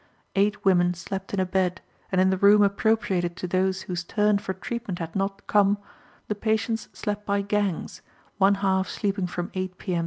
Eight women slept in a bed, and in the room appropriated to those whose turn for treatment had not come, the patients slept by gangs, one half sleeping from 8 P.M.